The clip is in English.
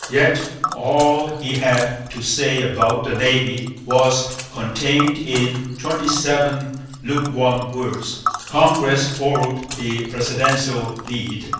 Yet all he had to say about the Navy was contained in twenty seven lukewarm words. Congress followed the presidential lead.